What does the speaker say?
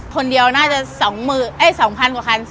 คนเดียวน่าจะ๒๐๐กว่าคัน